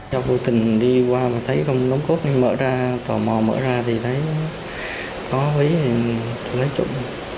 trong vô tình đi qua mà thấy không đóng cốt mở ra tò mò mở ra thì thấy có ví thì tôi lấy trộm